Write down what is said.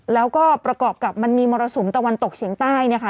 แล้วก็ประกอบกับมันมีมรสุมตะวันตกเฉียงใต้เนี่ยค่ะ